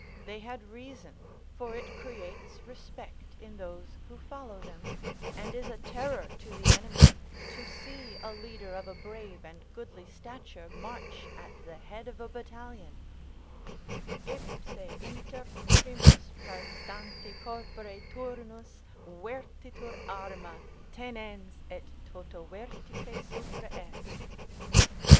They had reason; for it creates respect in those who follow them, and is a terror to the enemy, to see a leader of a brave and goodly stature march at the head of a battalion: "Ipse inter primos praestanti corpore Turnus Vertitur arma, tenens, et toto vertice supra est."